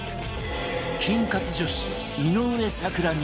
菌活女子井上咲楽２３歳